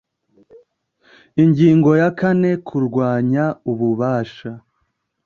Ingingo ya kane Kurwanya ububasha